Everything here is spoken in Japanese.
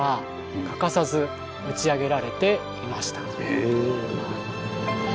へえ。